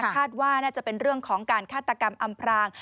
ว่าน่าจะเป็นเรื่องของการฆาตกรรมอำพราง